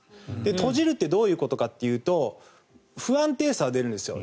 閉じるってどういうことかっていうと不安定さが出るんですよ。